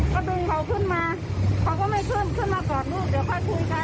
ก็ดึงเขาขึ้นมาเขาก็ไม่ขึ้นขึ้นมากอดลูกเดี๋ยวค่อยคุยกัน